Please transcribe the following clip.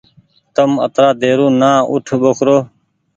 تم اترآ ديرو نآ اوٺ ٻوکرو۔